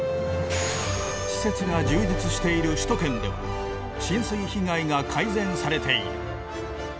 施設が充実している首都圏では浸水被害が改善されている